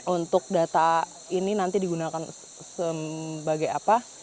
untuk data ini nanti digunakan sebagai apa